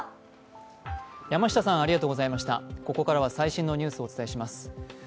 ここからは最新のニュースをお伝えします。